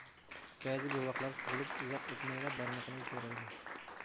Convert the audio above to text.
بەزى بوۋاقلار تۇغۇلۇپ ئۇزاق ئۆتمەيلا بارمىقىنى شورايدۇ.